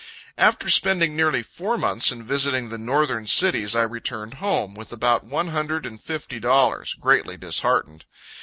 After spending nearly four months in visiting the northern cities, I returned home, with about one hundred and fifty dollars, greatly disheartened.